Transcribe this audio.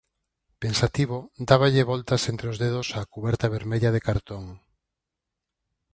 Pensativo, dáballe voltas entre os dedos á cuberta vermella de cartón.